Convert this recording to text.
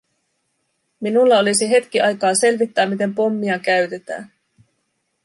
Minulla olisi hetki aikaa selvittää, miten pommia käytetään.